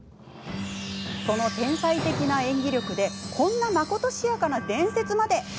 その天才的な演技力でこんな、まことしやかな伝説まで。